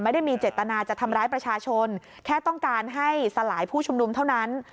ไม่ได้มีเจตนาจะทำร้ายประชาชนแค่ต้องการให้สลายผู้ชุมนุมเท่านั้น